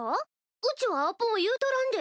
うちはあぽん言うとらんで。